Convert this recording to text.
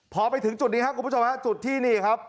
พอไปถึงจุดนี้ครับคุณผู้ชมฮะจุดที่นี่ครับ